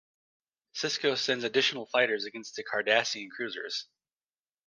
Sisko sends additional fighters against the Cardassian cruisers.